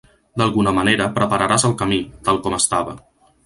D'alguna manera prepararàs el camí, tal com estava.